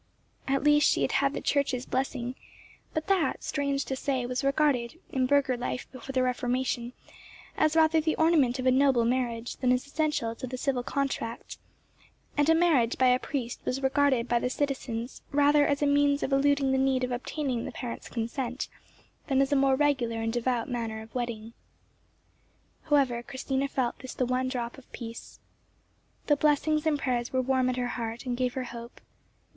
At least she had had the Church's blessing—but that, strange to say, was regarded, in burgher life before the Reformation, as rather the ornament of a noble marriage than as essential to the civil contract; and a marriage by a priest was regarded by the citizens rather as a means of eluding the need of obtaining the parent's consent, than as a more regular and devout manner of wedding. However, Christina felt this the one drop of peace. The blessings and prayers were warm at her heart, and gave her hope.